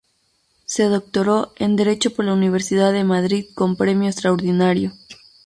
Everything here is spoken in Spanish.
Se doctoró en Derecho por la Universidad de Madrid con premio extraordinario.